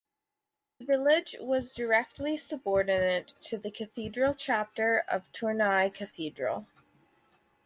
The village was directly subordinate to the cathedral chapter of Tournai Cathedral.